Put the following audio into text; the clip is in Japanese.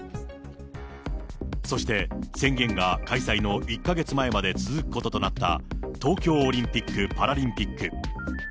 そして宣言が開催の１か月前まで続くこととなった、東京オリンピック・パラリンピック。